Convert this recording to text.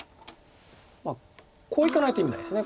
まあこういかないと意味ないです。